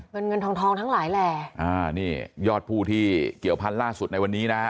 เงินเงินทองทองทั้งหลายแหล่อ่านี่ยอดผู้ที่เกี่ยวพันธุ์ล่าสุดในวันนี้นะฮะ